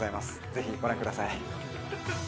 ぜひご覧ください。